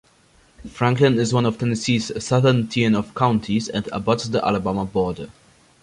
Franklin is one of Tennessee's southern tier of counties and abuts the Alabama border.